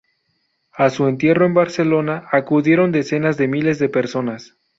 A su entierro en Barcelona acudieron decenas de miles de personas.